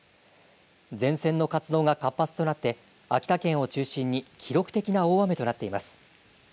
前線の活動が活発となって秋田県を中心に記録的な大雨となっています。